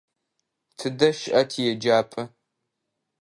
Тыдэ щыӏа тиеджапӏэ?